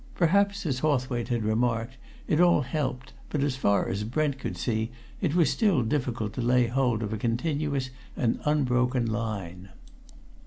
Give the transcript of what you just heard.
Perhaps, as Hawthwaite had remarked, it all helped, but as far as Brent could see it was still difficult to lay hold of a continuous and unbroken line.